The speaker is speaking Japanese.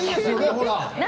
ほら。